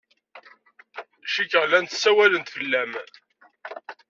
Cikkeɣ llant ssawalent fell-am.